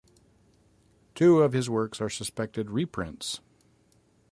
Two of his works are suspected reprints.